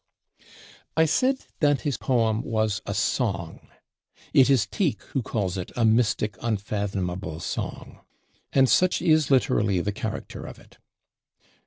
I said, Dante's Poem was a Song: it is Tieck who calls it "a mystic unfathomable Song"; and such is literally the character of it.